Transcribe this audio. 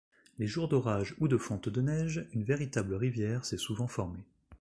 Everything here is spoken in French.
Les jours d'orage ou de fonte de neige, une véritable rivière s'est souvent formée.